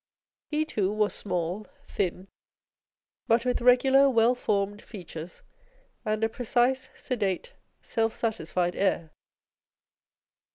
He, too, was small, thin, but with regular, well formed features, and a precise, sedate, self satisfied air.